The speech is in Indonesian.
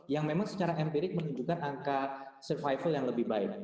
yang memang secara empirik menunjukkan angka survival yang lebih baik